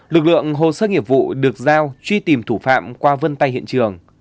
lực lượng hồ sơ nghiệp vụ được giao truy tìm thủ phạm qua vân tay hiện trường